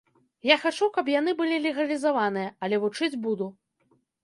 Я хачу, каб яны былі легалізаваныя, але вучыць буду.